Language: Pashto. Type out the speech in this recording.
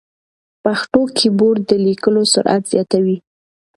پښتو کیبورډ د لیکلو سرعت زیاتوي.